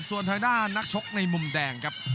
ส่วนทางด้านนักชกในมุมแดงครับ